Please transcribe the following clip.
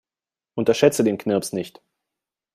Unterschätze den Knirps nicht.